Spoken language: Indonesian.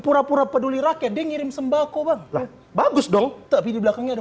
pura pura peduli rakyat dia ngirim sembako bang bagus dong tapi di belakangnya ada